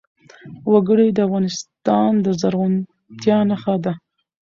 وګړي د افغانستان د زرغونتیا نښه ده.